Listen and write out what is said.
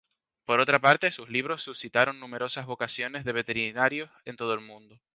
Por otra parte, sus libros suscitaron numerosas vocaciones de veterinarios en todo el mundo.